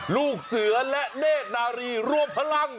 ลูกเสือและเนธนารีรวมพลัง